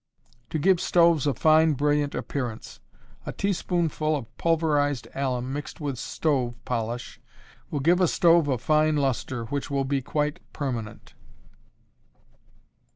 To give Stoves a Fine, Brilliant Appearance. A teaspoonful of pulverized alum mixed with stove polish will give a stove a fine luster, which will be quite permanent.